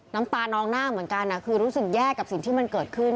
น้ำตานองหน้าเหมือนกันคือรู้สึกแย่กับสิ่งที่มันเกิดขึ้น